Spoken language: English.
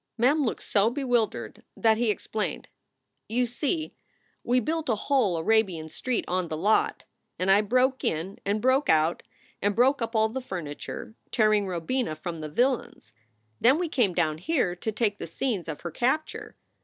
Mem looked so bewildered that he explained: "You see, we built a whole Arabian street on the lot, and I broke in and broke out and broke up all the furniture, tearing Robina from the villains. Then we came down here to take the scenes of her capture.